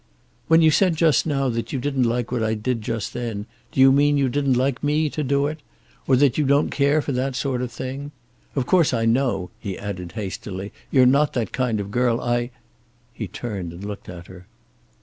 "When you said just now that you didn't like what I did just then, do you mean you didn't like me to do it? Or that you don't care for that sort of thing? Of course I know," he added hastily, "you're not that kind of girl. I " He turned and looked at her.